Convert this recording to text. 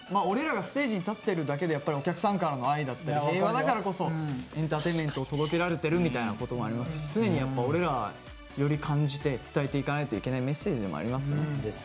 俺らがステージに立ってるだけでやっぱりお客さんからの愛だったり平和だからこそエンターテインメントを届けられてるみたいなこともありますし常にやっぱ俺らはより感じて伝えていかないといけないメッセージでもありますよ。